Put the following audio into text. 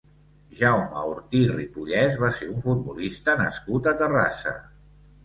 Jaume Ortí Ripollès va ser un futbolista nascut a Terrassa.